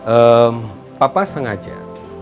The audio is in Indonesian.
eh papa sengaja